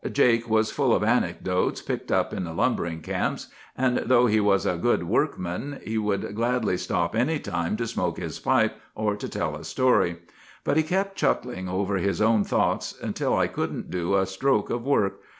Jake was full of anecdotes picked up in the lumbering camps; and though he was a good workman, he would gladly stop any time to smoke his pipe, or to tell a story. "But he kept chuckling over his own thoughts until I couldn't do a stroke of work.